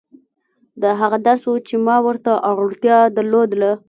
دا هغه درس و چې ما ورته اړتيا درلوده.